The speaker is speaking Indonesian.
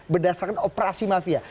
berdasarkan operasi mafia